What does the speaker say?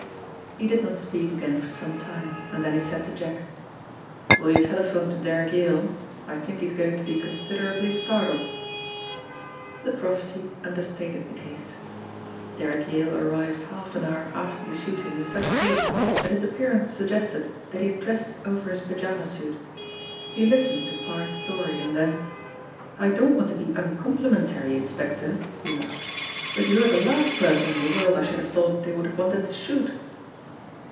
He did not speak again for some time, and then he said to Jack: "Will you telephone to Derrick Yale? I think he is going to be considerably startled." The prophecy understated the case. Derrick Yale arrived half an hour after the shooting in such haste that his appearance suggested that he had dressed over his pyjama suit. He listened to Parr's story, and then: "I don't want to be uncomplimentary, inspector," he laughed, "but you're the last person in the world I should have thought they would have wanted to shoot."